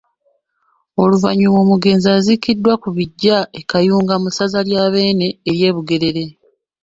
Oluvannyuma omugenzi aziikiddwa ku biggya e Kayunga mu ssaza lya Bbeene ery’e Bugerere.